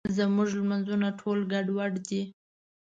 زموږ مونځونه ټول ګډوډ دي.